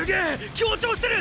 協調してる！！